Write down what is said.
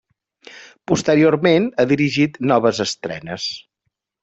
Posteriorment ha dirigit noves estrenes.